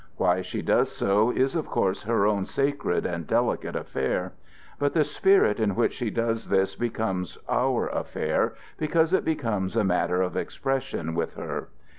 Why she does so is of course her own sacred and delicate affair. But the spirit in which she does this becomes our affair, because it becomes a matter of expression with her.